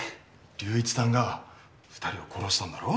隆一さんが２人を殺したんだろ？